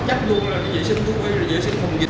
mặc chắc luôn là giải sinh thuốc hay giải sinh phòng nghiệp